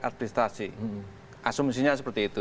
administrasi asumsinya seperti itu